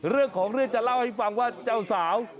เรื่องของเรื่องจะเล่าให้ฟังว่าเจ้าสาว